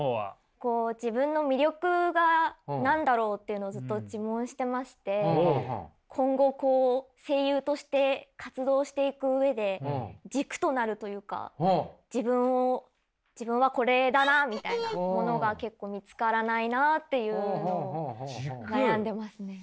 こう自分の魅力が何だろうっていうのをずっと自問してまして今後こう声優として活動していく上で軸となるというか自分はこれだなみたいなものが結構見つからないなっていうのを悩んでますね。